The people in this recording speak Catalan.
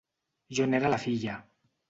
Jo n'era la filla.